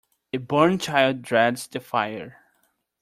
A burnt child dreads the fire.